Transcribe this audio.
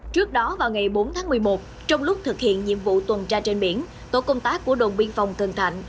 trước đó vào ngày bốn tháng một mươi một trong lúc thực hiện nhiệm vụ tuần tra trên biển tổ công tác của đồn biên phòng cần thạnh